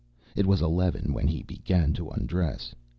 It was eleven when he began to undress.